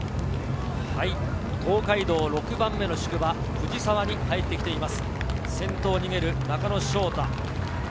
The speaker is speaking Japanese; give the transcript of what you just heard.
東海道６番目の宿場・藤沢に入ってきています。